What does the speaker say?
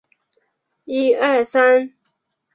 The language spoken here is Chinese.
就是那个荣誉感